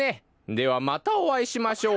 ではまたおあいしましょう。